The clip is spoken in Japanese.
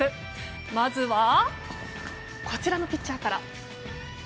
まずはこちらのピッチャーから。